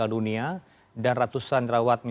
aleasia lebih terdiri